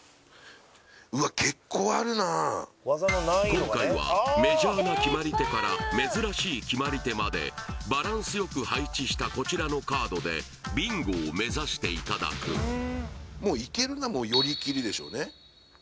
今回はメジャーな決まり手から珍しい決まり手までバランスよく配置したこちらのカードでビンゴを目指していただくいけるのは寄り切りでしょうね